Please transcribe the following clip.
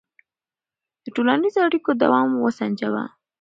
د ټولنیزو اړیکو دوام وسنجوه.